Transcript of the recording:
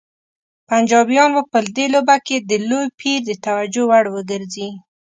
پنجابیان به په دې لوبه کې د لوی پیر د توجه وړ وګرځي.